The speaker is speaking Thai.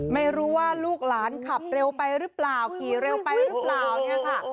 ไม่รู้ว่าลูกหลานขับเร็วไปหรือเปล่าขี่เร็วไปหรือเปล่าเนี่ยค่ะ